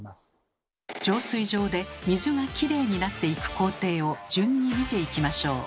浄水場で水がきれいになっていく工程を順に見ていきましょう。